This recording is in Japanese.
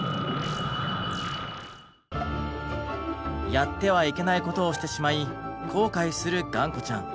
やってはいけないことをしてしまい後悔するがんこちゃん。